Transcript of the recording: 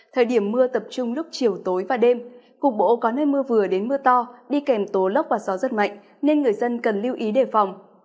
thời điểm mưa tập trung lúc chiều tối và đêm cục bộ có nơi mưa vừa đến mưa to đi kèm tố lốc và gió rất mạnh nên người dân cần lưu ý đề phòng